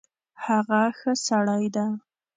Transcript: هغه ښه سړی ده